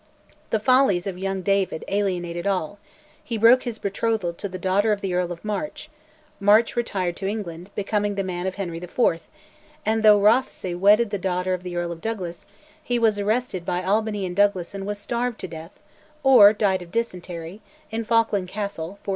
The follies of young David alienated all: he broke his betrothal to the daughter of the Earl of March; March retired to England, becoming the man of Henry IV.; and though Rothesay wedded the daughter of the Earl of Douglas, he was arrested by Albany and Douglas and was starved to death (or died of dysentery) in Falkland Castle (1402).